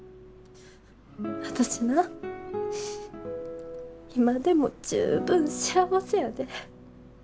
私な今でも十分幸せやで。